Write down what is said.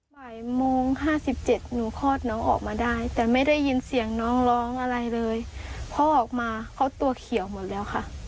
ห้ายโมงห้าสิบเจ็ดแต่ไม่ได้ยินเสียงน้องร้องอะไรเลยพ่อออกมาเขาตัวเขียวหมดแล้วค่ะ